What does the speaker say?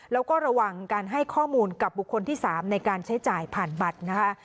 แล้วก็ระวังการให้ข้อมูลกับบุคคลที่๓ในการใช้จ่ายผ่านบัตรนะคะ